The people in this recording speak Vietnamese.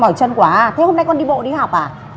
mỏi chân quá à thế hôm nay con đi bộ đi học à